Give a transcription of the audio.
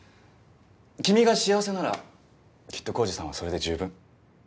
君が幸せならきっと晃司さんはそれで十分。